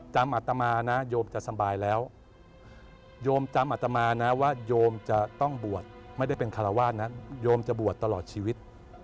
อัตมานะโยมจะสบายแล้วโยมจำอัตมานะว่าโยมจะต้องบวชไม่ได้เป็นคารวาสนะโยมจะบวชตลอดชีวิต